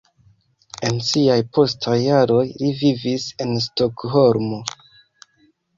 En siaj postaj jaroj li vivis en Stokholmo.